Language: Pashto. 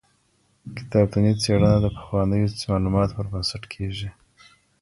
کتابتوني څېړنه د پخوانیو معلوماتو پر بنسټ کیږي.